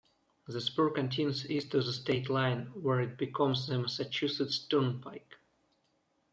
The spur continues east to the state line, where it becomes the Massachusetts Turnpike.